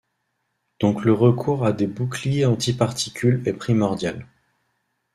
Donc le recours à des boucliers antiparticules est primordial.